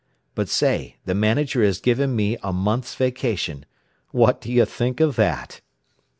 "But say, the manager has given me a month's vacation. What do you think of that?"